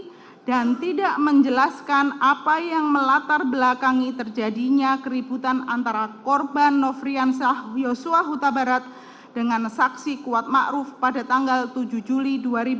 secara teliti dan tidak menjelaskan apa yang melatar belakangi terjadinya keributan antara korban nofrian sahyoswa hutabarat dengan saksi kuat makruf pada tanggal tujuh juli dua ribu dua puluh dua